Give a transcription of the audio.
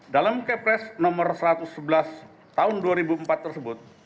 dalam kepres nomor satu ratus sebelas tahun dua ribu empat tersebut